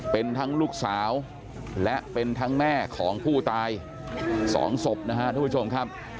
เป็นทั้งลูกสาวและเป็นทั้งแม่ของผู้ตาย๒ศพนะฮะทุกผู้ชมครับ